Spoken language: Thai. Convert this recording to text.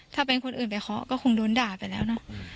ถ้าเป็นคนอื่นไปเคาะก็คงโดนด่าไปแล้วเนอะ